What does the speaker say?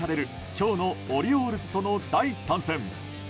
今日のオリオールズとの第３戦。